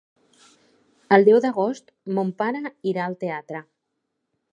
El deu d'agost mon pare irà al teatre.